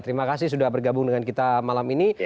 terima kasih sudah bergabung dengan kita malam ini